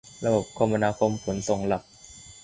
ระบบคมนาคมขนส่งหลัก